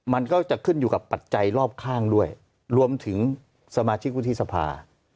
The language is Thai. มันก็จะขึ้นอยู่กับปัจจัยรอบข้างด้วยรวมถึงสมาชิกวุฒิสภา